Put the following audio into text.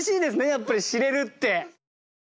やっぱり知れるって。